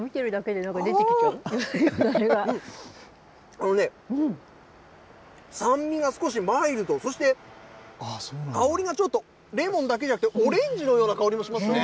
あのね、酸味が少しマイルド、そして、香りがちょっとレモンだけじゃなくて、オレンジのような香りもしますね。